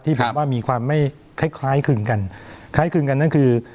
ผมว่ามีความไม่คล้ายคล้ายคลึงกันคล้ายคลึงกันนั่นคือ